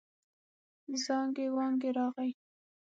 زانګې وانګې راغی.